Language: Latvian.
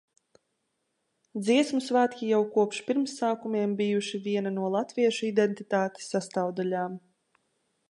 Dziesmu svētki jau kopš to pirmsākumiem bijuši viena no latviešu identitātes sastāvdaļām.